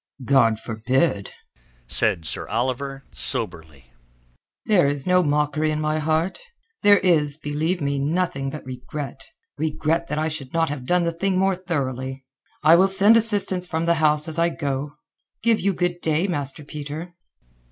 "God forbid!" said Sir Oliver soberly. "There is no mockery in my heart. There is, believe me, nothing but regret—regret that I should not have done the thing more thoroughly. I will send assistance from the house as I go. Give you good day, Master Peter."